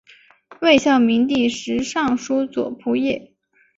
魏孝明帝时尚书左仆射。